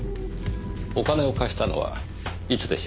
お金を貸したのはいつでしょう？